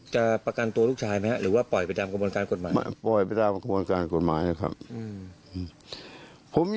จะประกันตัวลูกชายไหมครับ